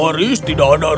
jaris tidak ada rumput